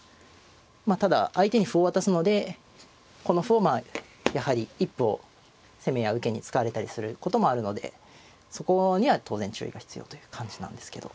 まあただ相手に歩を渡すのでこの歩をやはり一歩を攻めや受けに使われたりすることもあるのでそこには当然注意が必要という感じなんですけど。